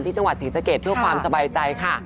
จังหวัดศรีสะเกดเพื่อความสบายใจค่ะ